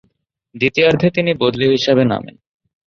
দ্বিতীয়ার্ধে তিনি বদলি হিসেবে নামেন।